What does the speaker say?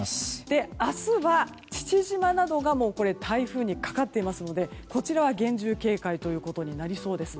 明日は、父島などが台風にかかっていますのでこちらは厳重警戒となりそうです。